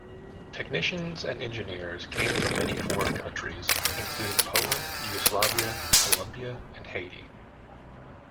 Technicians and engineers came from many foreign countries, including Poland, Yugoslavia, Colombia and Haiti.